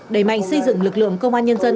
đẩy mạnh xây dựng lực lượng công an nhân dân